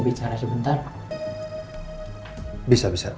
pembesi pak nino